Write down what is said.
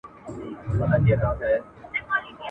خو چي زه مي د مرګي غېږي ته تللم !.